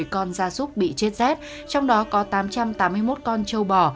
con ra súc bị chết rét trong đó có tám trăm tám mươi một con châu bò